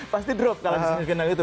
pasti drop kalau di sini kena itu